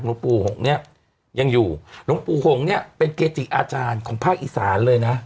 หลวงปู่หงเนี่ยยังอยู่หลวงปู่หงเนี่ยเป็นเกจิอาจารย์ของภาคอีสานเลยนะ